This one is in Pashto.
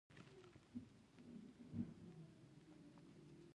وزن د جاذبې له امله رامنځته کېږي.